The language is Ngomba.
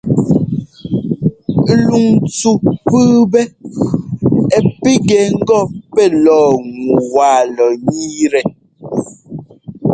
Luŋntsu pʉ́ʉpɛ́ ɛ́ pigɛ ŋgɔ pɛ́ lɔɔ ŋu wa lɔ ńniitɛ.